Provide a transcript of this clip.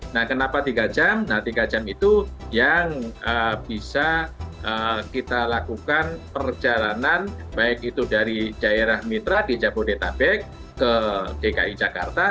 nah kenapa tiga jam nah tiga jam itu yang bisa kita lakukan perjalanan baik itu dari daerah mitra di jabodetabek ke dki jakarta